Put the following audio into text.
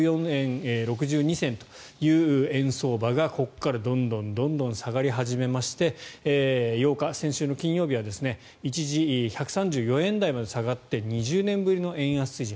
１１４円６２銭という円相場がここからどんどん下がり始めまして８日、先週の金曜日は一時、１３４円台まで下がって２０年ぶりの円安水準。